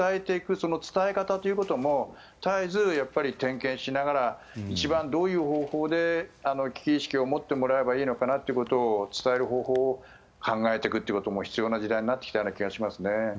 その伝え方ということも絶えず点検しながら一番どういう方法で危機意識を持ってもらえばいいのかなということを伝える方法を考えていくことも必要な時代になってきた気がしますね。